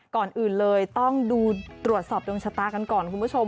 ก่อนอื่นเลยต้องดูตรวจสอบดวงชะตากันก่อนคุณผู้ชม